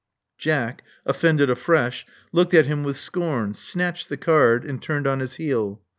Jack, offended afresh, looked at him with scorn; snatched the card, and turned on his heel.